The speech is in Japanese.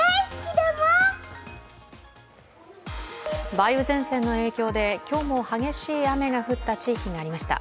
梅雨前線の影響で、今日も激しい雨が降った地域がありました。